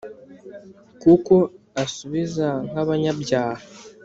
kuko asubiza nk’abanyabyaha